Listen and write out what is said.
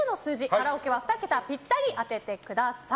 カラオケは２桁ピッタリ当ててください。